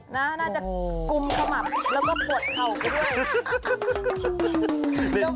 น่าจะกุมขมับแล้วก็ปวดเข่าไปด้วย